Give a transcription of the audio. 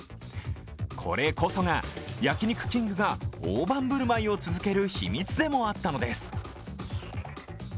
これこそが焼肉きんぐが大盤振る舞いを続ける秘密でもあったのです。